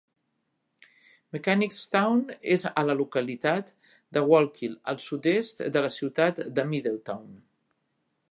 Mechanicstown és a la localitat de Walkill, al sud-est de la ciutat de Middletown.